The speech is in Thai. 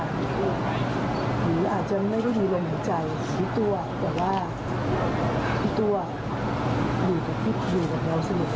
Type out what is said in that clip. ความรักไม่เคยเห็นความบอก